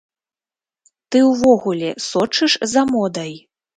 Ты ўвогуле сочыш за модай?